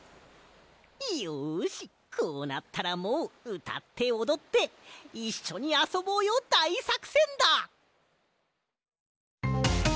いよしこうなったらもううたっておどっていっしょにあそぼうよだいさくせんだ！